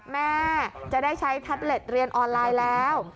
แม่จะได้ใช้แท็บเล็ตเรียนออนไลน์แล้ว